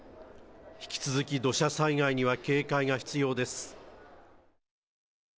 引き続き土砂災害には警戒が必要です。